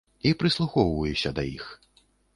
І прыслухоўваюся да іх.